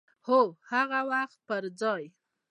او د هغوی پر ځای